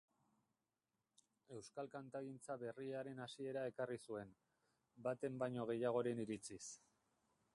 Euskal Kantagintza Berriaren hasiera ekarri zuen, baten baino gehiagoren iritziz.